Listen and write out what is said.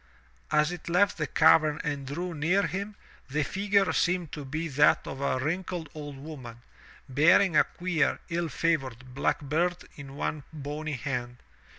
As it left the cavern and drew near him, the figure seemed to be that of a wrinkled old woman, bearing a queer, ill favored, black bird in one bony hand.